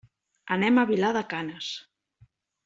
Anem a Vilar de Canes.